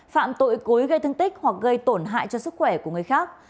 phạm tội cối gây thương tích hoặc gây tổn hại cho sức khỏe của người khác